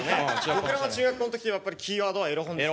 僕らの中学校の時はやっぱりキーワードは「エロ本」ですね。